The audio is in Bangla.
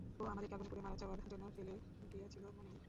ও আমাদেরকে আগুনে পুড়ে মারা যাওয়ার জন্য ফেলে গিয়েছিল, মনে নেই?